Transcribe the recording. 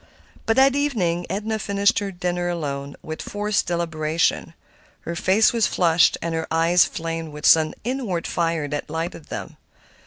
But that evening Edna finished her dinner alone, with forced deliberation. Her face was flushed and her eyes flamed with some inward fire that lighted them.